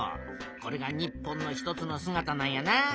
これが日本の一つのすがたなんやな。